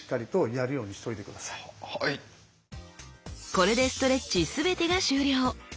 これでストレッチ全てが終了。